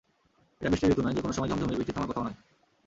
এটা বৃষ্টির ঋতু নয়, যেকোনো সময় ঝমঝমিয়ে বৃষ্টি নামার কথাও নয়।